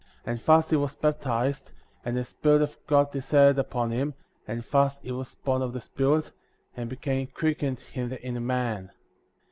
And thus he was baptized,^ and the Spirit of God descended upon him,*' and thus he was bom of the Spirit,*^ and became quickened in the inner man.